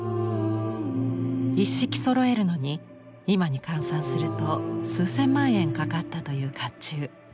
一式そろえるのに今に換算すると数千万円かかったという甲冑。